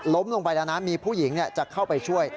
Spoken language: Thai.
ลงไปแล้วนะมีผู้หญิงจะเข้าไปช่วย